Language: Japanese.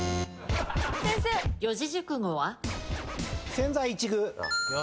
千載一遇。